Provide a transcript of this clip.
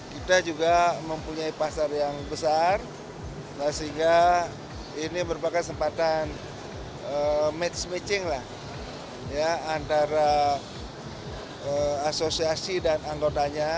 kita juga mempunyai pasar yang besar sehingga ini merupakan sempatan match matching antara asosiasi dan anggotanya